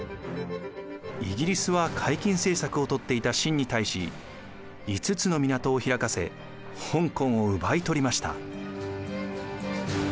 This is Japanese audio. イギリスは解禁政策をとっていた清に対し５つの港を開かせ香港を奪い取りました。